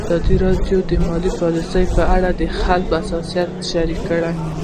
ازادي راډیو د مالي پالیسي په اړه د خلکو احساسات شریک کړي.